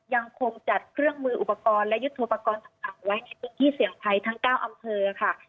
ยังคงจัดเครื่องมืออุปกรณ์และยุทธโปรกรณ์ต่างไว้ในพื้นที่เสี่ยงภัยทั้ง๙อำเภอค่ะ